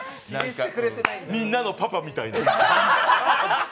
みんなのパパみたいな。